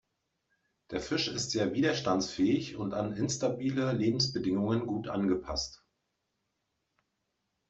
Der Fisch ist sehr widerstandsfähig und an instabile Lebensbedingungen gut angepasst.